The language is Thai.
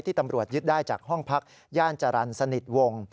ตำรวจยึดได้จากห้องพักย่านจรรย์สนิทวงศ์